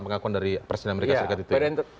pengakuan dari presiden amerika serikat itu ya